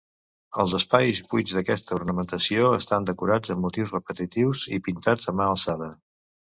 Els espais buits d'aquesta ornamentació estan decorats amb motius repetitius i pintats a mà alçada.